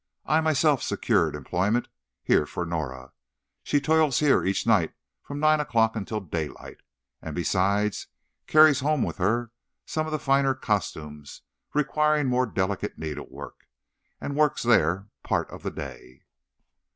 I myself secured employment here for Norah. She toils here each night from nine o'clock until daylight, and, besides, carries home with her some of the finer costumes, requiring more delicate needlework, and works there part of the day.